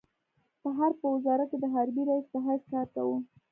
په حرب په وزارت کې د حربي رئيس په حیث کار کاوه.